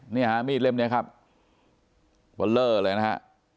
นี่ฮะมีดเล่มนี้ครับบัลเล่อเลยนะฮะ